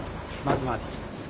まずまず。